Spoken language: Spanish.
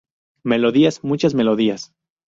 Melodías, muchas melodías.